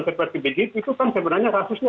seperti begitu itu kan sebenarnya kasusnya